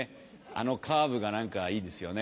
あのカーブが何かいいですよね。